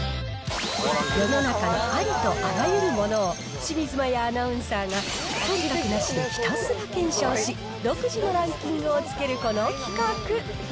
世の中のありとあらゆるものを、清水麻椰アナウンサーがそんたくなしでひたすら検証し、独自のランキングをつけるこの企画。